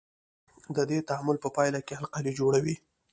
د دې تعامل په پایله کې القلي جوړوي.